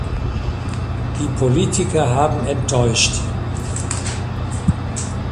Die Politiker haben enttäuscht.